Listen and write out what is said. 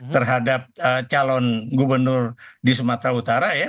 terhadap calon gubernur di sumatera utara ya